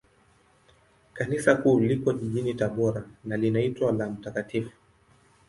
Kanisa Kuu liko jijini Tabora, na linaitwa la Mt.